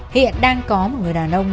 hiện đang có một người đàn ông